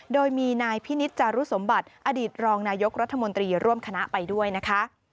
โดยมีนายพินิษจารุสมบัติอดีตรองนายกรัฐมนตรีร่วมคณะไปด้วยนะคะ